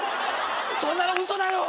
そんなのウソだよ！